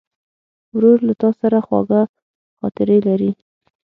ورور له تا سره خواږه خاطرې لري.